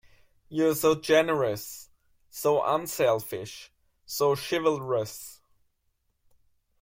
You are so generous, so unselfish, so chivalrous.